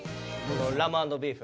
ラム＆ビーフ？